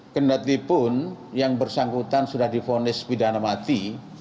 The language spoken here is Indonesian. kenal tipun yang bersangkutan sudah difonis pidana mati